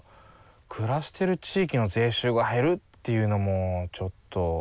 暮らしてる地域の税収が減るっていうのもちょっと。